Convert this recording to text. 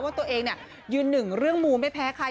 ว่าตัวเองยืนหนึ่งเรื่องมูไม่แพ้ใคร